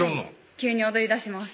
急に踊りだします